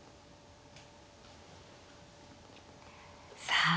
さあ